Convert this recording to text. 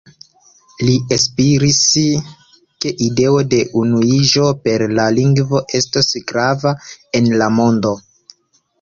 Li esperis, ke ideo de unuiĝo per la lingvo estos grava en la mondo.